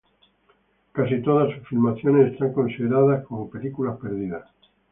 Casi todas sus filmaciones están consideradas como películas perdidas.